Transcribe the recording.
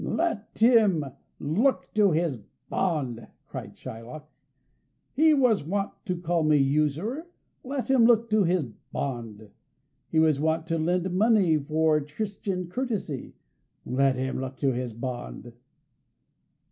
"Let him look to his bond!" cried Shylock. "He was wont to call me usurer; let him look to his bond! He was wont to lend money for Christian courtesy; let him look to his bond!"